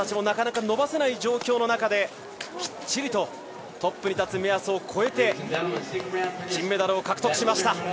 なかなか伸ばせない状況の中できっちりとトップに立つ目安を越えて金メダルを獲得しました。